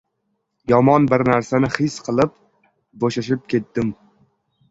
Yomon bir narsani his qilib, bo‘shashib ketdim: —